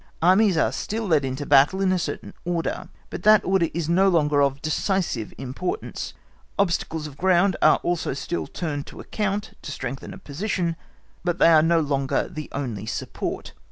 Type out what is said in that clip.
Armies are still led into battle in a certain order, but that order is no longer of decisive importance; obstacles of ground are also still turned to account to strengthen a position, but they are no longer the only support.